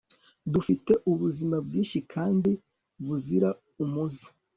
dufite ubuzima bwinshi kandi buzira umuze